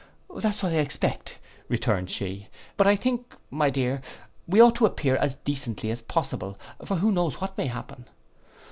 '—'That is what I expect,' returned she; 'but I think, my dear, we ought to appear there as decently as possible, for who knows what may happen?